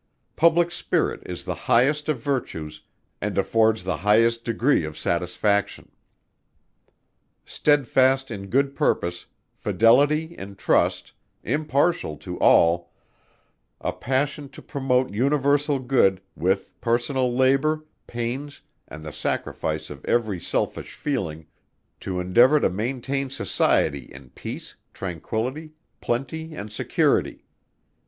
Public spirit is the highest of virtues, and affords the highest degree of satisfaction. Steadfast in good purpose; fidelity in trust; impartial to all; a passion to promote universal good, with personal labour, pains, and the sacrifice of every selfish feeling; to endeavour to maintain Society in peace, tranquillity, plenty and security.